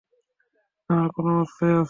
আমরা কোন অবস্থায় আছি?